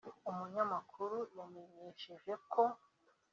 umunyamakuru yamenyesheje ko